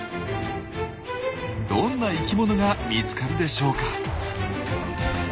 どんな生きものが見つかるでしょうか。